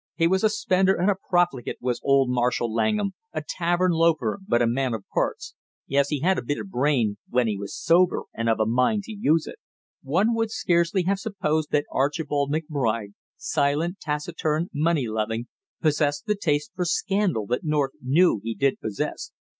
He was a spender and a profligate, was old Marshall Langham; a tavern loafer, but a man of parts. Yes, he had a bit of a brain, when he was sober and of a mind to use it." One would scarcely have supposed that Archibald McBride, silent, taciturn, money loving, possessed the taste for scandal that North knew he did possess.